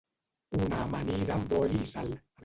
Una amanida amb oli i sal